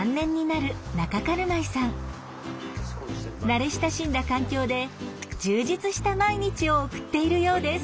慣れ親しんだ環境で充実した毎日を送っているようです。